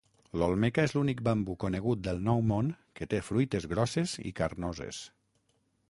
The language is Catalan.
L'"Olmeca" és l'únic bambú conegut del Nou Món que té fruites grosses i carnoses.